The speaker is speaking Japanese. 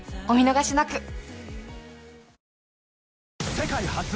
お見逃しなく！